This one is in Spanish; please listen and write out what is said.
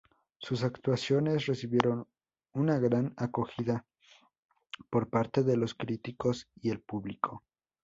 Sus actuaciones recibieron una gran acogida por parte de los críticos y el público.